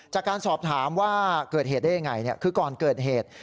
จากการสอบถามว่าเกิดเหตุได้ยังไงคือก่อนเกิดเหตุ